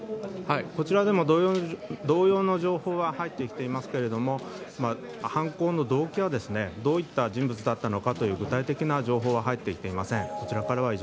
こちらでも同様の情報が入ってきていますけれども犯行の動機やどういった人物だったのかという具体的な情報は入ってきていません。